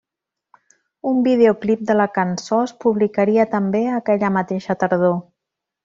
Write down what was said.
Un videoclip de la cançó es publicaria també aquella mateixa tardor.